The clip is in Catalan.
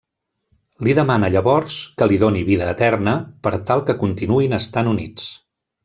Li demana llavors que li doni vida eterna per tal que continuïn estant units.